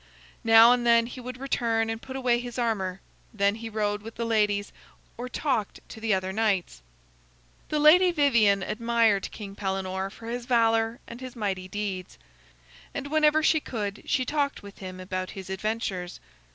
Now and then he would return and put away his armor. Then he rode with the ladies or talked to the other knights. The lady Vivien admired King Pellenore for his valor and his mighty deeds, and whenever she could she talked with him about his adventures.